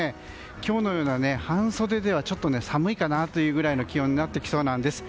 今日のような半袖ではちょっと寒いかなというくらいの気温になってきそうです。